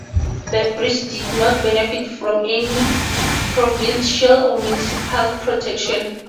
The bridge did not benefit from any provincial or municipal protection.